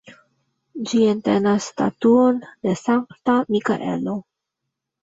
Ĝi entenas statuon de Sankta Mikaelo.